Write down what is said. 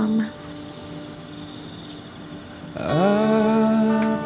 aku masih di dunia ini